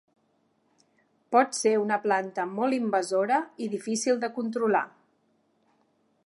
Pot ser una planta molt invasora i difícil de controlar.